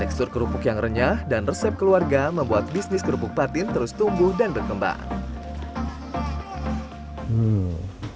tekstur kerupuk yang renyah dan resep keluarga membuat bisnis kerupuk patin terus tumbuh dan berkembang